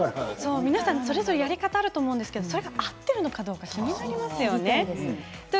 皆さん、それぞれやり方があると思うんですが合っているかどうか気になりますよね。